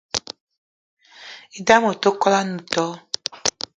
E'dam ote kwolo ene too